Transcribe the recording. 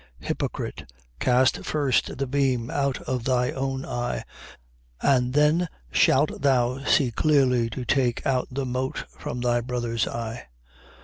Hypocrite, cast first the beam out of thy own eye: and then shalt thou see clearly to take out the mote from thy brother's eye.